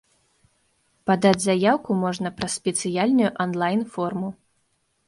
Падаць заяўку можна праз спецыяльную анлайн-форму.